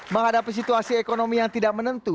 menghadapi situasi ekonomi yang tidak menentu